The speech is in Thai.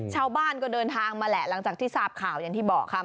ชาวบ้านก็เดินทางมาแหละหลังจากที่ทราบข่าวอย่างที่บอกค่ะ